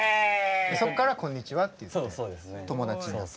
そこからこんにちはって言って友達になった。